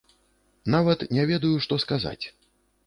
Нават не ведаю, што сказаць!